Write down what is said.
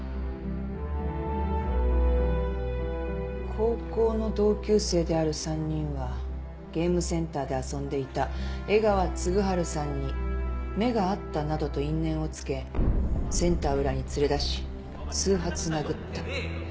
「高校の同級生である３人はゲームセンターで遊んでいた江川次晴さんに目が合ったなどと因縁をつけセンター裏に連れ出し数発殴った。